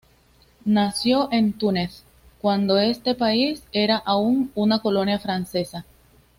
Nació en Túnez, cuando este país era aún una colonia francesa.